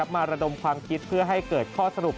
ระดมความคิดเพื่อให้เกิดข้อสรุป